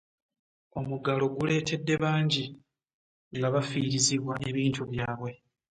omugalo guletedde bbbangi okubeera nga bbafirizibwa ebintu byabwe